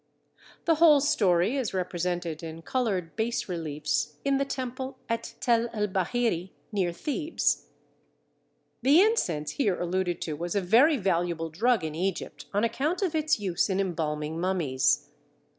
The whole story is represented in coloured bas reliefs in the temple at Tel el Bahiri, near Thebes. Rawlinson, Story of Egypt. The incense here alluded to was a very valuable drug in Egypt on account of its use in embalming mummies.